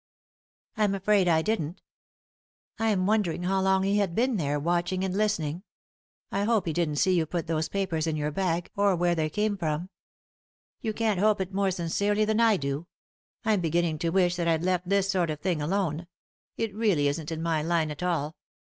" I'm afraid I didn't. I'm wondering how long he had been there, watching and listening. I hope he didn't see you pat those papers in your bag, or where they came from." i 113 3i 9 iii^d by Google THE INTERRUPTED KISS "You can't hope it more sincerely than I do. I'm beginning to wish that I'd left this sort of thing alone ; it really isn't in my line at all.